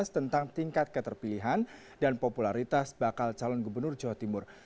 tentang tingkat keterpilihan dan popularitas bakal calon gubernur jawa timur